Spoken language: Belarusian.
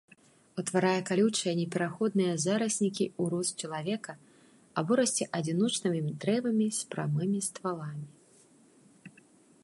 Утварае калючыя непраходныя зараснікі ў рост чалавека або расце адзіночнымі дрэвамі з прамымі стваламі.